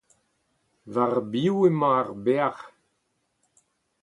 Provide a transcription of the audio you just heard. war biv emañ ar bec'h